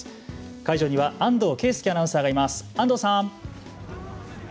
会場には安藤佳祐アナウンサーがいます。